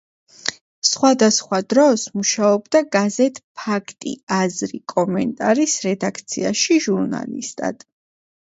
სხვადასხვა დროს მუშაობდა გაზეთ „ფაქტი, აზრი, კომენტარის“ რედაქციაში ჟურნალისტად.